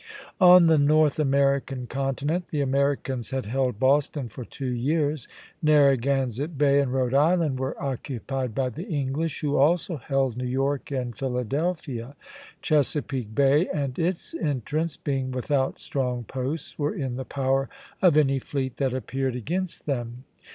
On the North American continent the Americans had held Boston for two years. Narragansett Bay and Rhode Island were occupied by the English, who also held New York and Philadelphia. Chesapeake Bay and its entrance, being without strong posts, were in the power of any fleet that appeared against them.